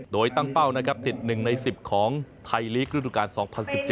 โดยตั้งเป้านะครับติด๑ใน๑๐ของไทยลีกฤดูการ๒๐๑๗